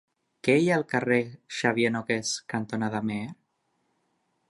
Què hi ha al carrer Xavier Nogués cantonada Meer?